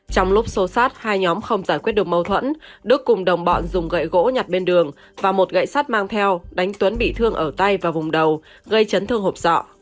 trong lúc xô sát hai nhóm không giải quyết được mâu thuẫn đức cùng đồng bọn dùng gậy gỗ nhặt bên đường và một gậy sắt mang theo đánh tuấn bị thương ở tay và vùng đầu gây chấn thương hộp sọ